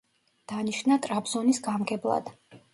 დანიშნა ტრაბზონის გამგებლად.